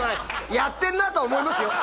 やってんなとは思いますよ